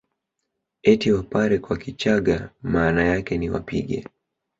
Eti Wapare kwa Kichagga maana yake ni wapige